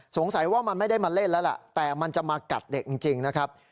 สงสัยว่ามันไม่ได้มาเล่นแล้วล่ะแต่มันจะมากัดเด็กจริงนะครับ